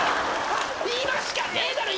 今しかねえだろ。